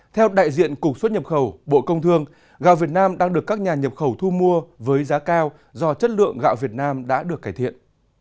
theo đại diện cục xuất nhập khẩu bộ công thương gạo việt nam đang được các nhà nhập khẩu thu mua với giá cao do chất lượng gạo việt nam đã được cải thiện